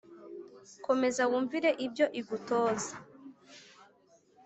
komeza wumvire ibyo igutoza